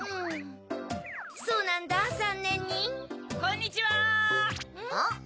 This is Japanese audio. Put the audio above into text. ん？